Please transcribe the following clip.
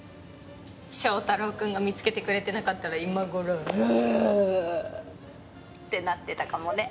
正太郎君が見つけてくれてなかったら今頃うあぁ！ってなってたかもね。